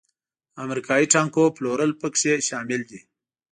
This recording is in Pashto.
امریکایي ټانکونو پلورل پکې شامل دي.